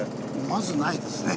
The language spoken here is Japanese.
まずないですね。